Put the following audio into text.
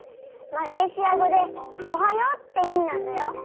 マレーシア語で「おはよう」っていみなんだよ。